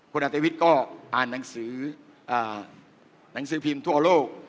คุณอัตวิทย์ก็อ่านหนังสือหนังสือพิมพ์ทั่วโลก